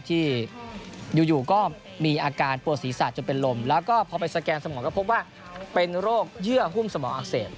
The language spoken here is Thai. ที่อยู่ก็มีอาการปวดศีรษะจนเป็นลมแล้วก็พอไปสแกนสมองก็พบว่าเป็นโรคเยื่อหุ้มสมองอักเสบ